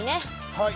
はい。